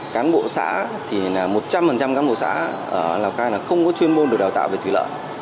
cán bộ xã thì một trăm linh cán bộ xã ở lào cai là không có chuyên môn được đào tạo về thủy lợi